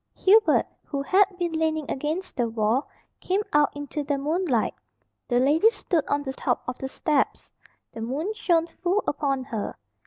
Hubert, who had been leaning against the wall, came out into the moonlight. The lady stood on the top of the steps. The moon shone full upon her.